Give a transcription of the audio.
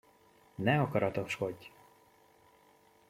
Ne akaratoskodj!